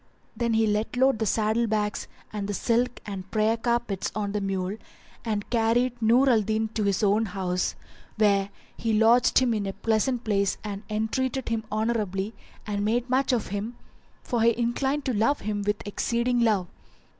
Then he let load the saddle bags and the silk and prayer carpets on the mule and carried Nur al Din to his own house, where he lodged him in a pleasant place and entreated him honourably and made much of him, for he inclined to love him with exceeding love.